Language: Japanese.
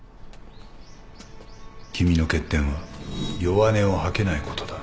君の欠点は弱音を吐けないことだ